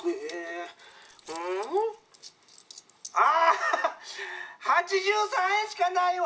あ８３円しかないわ！